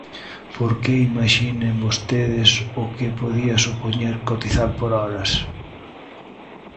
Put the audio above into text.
Porque imaxinen vostedes o que podía supoñer cotizar por horas.